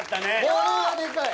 これはでかい。